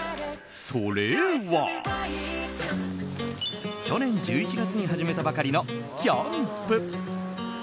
それは、去年１１月に始めたばかりのキャンプ。